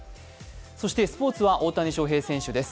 そして、スポーツは大谷翔平選手です。